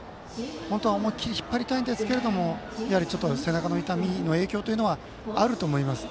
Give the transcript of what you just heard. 本当は思い切り引っ張りたいんですがやはり背中の痛みの影響はあると思います。